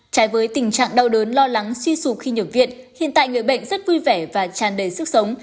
trái với tình trạng đau đớn lo lắng suy sụp khi nhập viện hiện tại người bệnh rất vui vẻ và tràn đầy sức sống